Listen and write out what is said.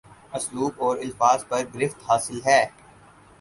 اسلوب اور الفاظ پر گرفت حاصل ہے